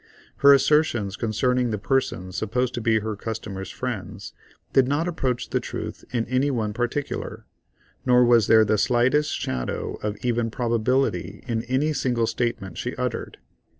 Her assertions concerning the persons supposed to be her customer's friends did not approach the truth in any one particular; nor was there the slightest shadow of even probability in any single statement she uttered.